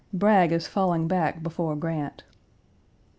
Bragg is falling back before Grant.